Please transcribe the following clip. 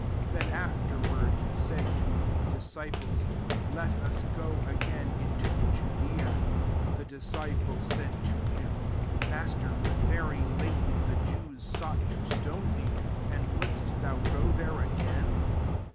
7 Then, afterward, he said to the disciples, " Let us go again in to Judea." 8 The disciples said to him, " Master, but very late ly the Jews sought to stone thee : and wouldst thou go there again